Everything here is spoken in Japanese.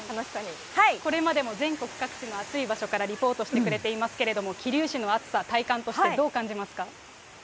これまでも全国各地の暑い場所からリポートしてくれていますけれども、桐生市の暑さ、体感としてどう感じますか？